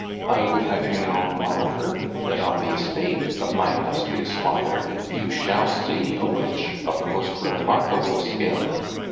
I would have you know, moreover, that on the estate of my illustrious father you shall see a witch of the most re markable skill.